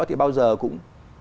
thì bao giờ cũng